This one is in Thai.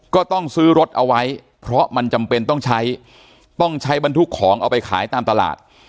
ก็ต้องซื้อรถเอาไว้เพราะมันจำเป็นต้องใช้ต้องใช้บรรทุกของเอาไปขายตามตลาด